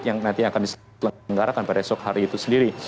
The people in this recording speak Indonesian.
yang nanti akan diselenggarakan pada esok hari itu sendiri